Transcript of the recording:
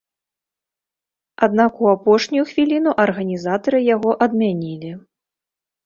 Аднак у апошнюю хвіліну арганізатары яго адмянілі.